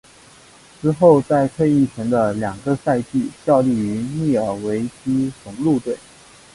之后在退役前的两个赛季效力于密尔沃基雄鹿队。